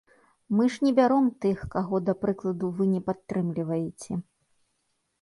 Мы ж не бяром тых, каго, да прыкладу, вы не падтрымліваеце.